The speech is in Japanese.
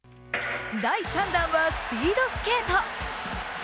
第３弾はスピードスケート。